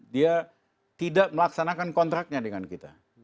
dia tidak melaksanakan kontraknya dengan kita